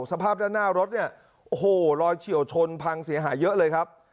สภาพด้านหน้ารถเนี่ยโอ้โหรอยเฉียวชนพังเสียหายเยอะเลยครับ